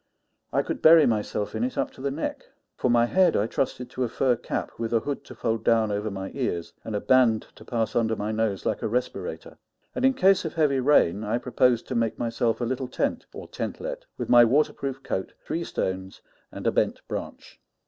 I could bury myself in it up to the neck; for my head I trusted to a fur cap, with a hood to fold down over my ears, and a band to pass under my nose like a respirator; and in case of heavy rain I proposed to make myself a little tent, or tentlet, with my waterproof coat, three stones, and a bent branch.